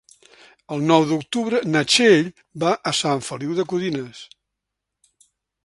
El nou d'octubre na Txell va a Sant Feliu de Codines.